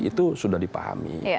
itu sudah dipahami